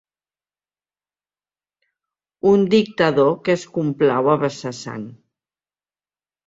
Un dictador que es complau a vessar sang.